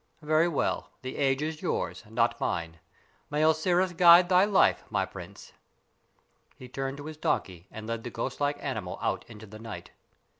Very well; the age is yours, not mine. May Osiris guide thy life, my prince!" He turned to his donkey and led the ghost like animal out into the night.